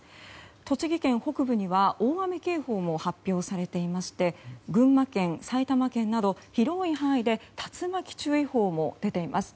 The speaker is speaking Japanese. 栃木県北部には大雨警報も発表されていまして群馬県、埼玉県など広い範囲で竜巻注意報も出ています。